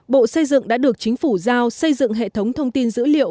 bộ xây dựng đã được chính phủ giao xây dựng hệ thống thông tin dữ liệu